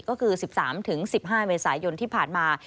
ก็คือ๑๓๑๕เมษายนที่ผ่านมา